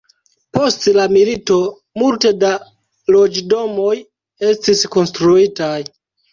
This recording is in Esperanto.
Post la milito multe da loĝdomoj estis konstruitaj.